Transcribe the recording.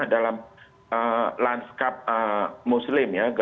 dalam lanskap muslim ya